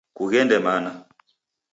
Kughende mana!